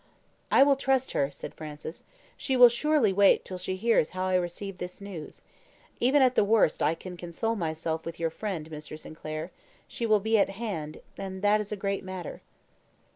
"I will trust her," said Francis. "She will surely wait till she hears how I receive this news. Even at the worst I can console myself with your friend, Mr. Sinclair; she will be at hand, and that is a great matter."